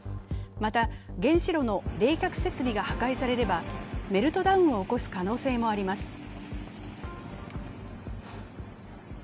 また、原子炉の冷却設備が破壊されればメルトダウンを起こす可能性もあります。